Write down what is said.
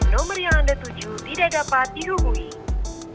nomor yang anda tuju tidak dapat dihubungi